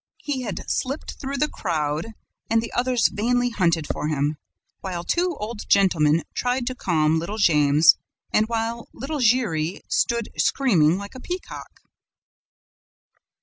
He had slipped through the crowd; and the others vainly hunted for him, while two old gentlemen tried to calm little Jammes and while little Giry stood screaming like a peacock.